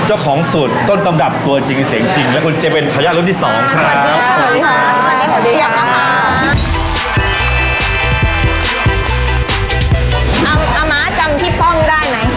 อ่ามาจำที่ปลอกไม่ได้ไหม